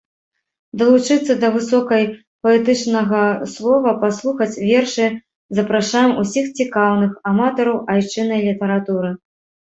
Далучыцца да высокай паэтычнага слова, паслухаць вершы запрашаем усіх цікаўных, аматараў айчыннай літаратуры.